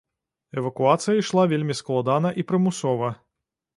Эвакуацыя ішла вельмі складана і прымусова.